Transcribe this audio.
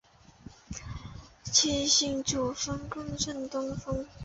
七星主峰更胜东峰